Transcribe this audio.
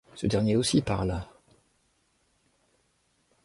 Ce dernier aussi parle.